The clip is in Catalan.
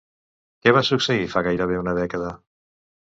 Què va succeir fa gairebé una dècada?